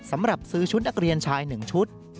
สำหรับซื้อชุดนักเรียนชาย๑ชุด